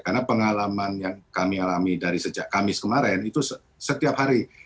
karena pengalaman yang kami alami dari sejak kamis kemarin itu setiap hari